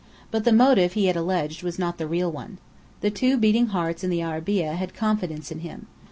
But the motive he had alleged was not the real one. The two beating hearts in the arabeah had confidence in him.